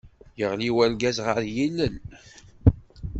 Yeɣli urgaz ɣer yilel!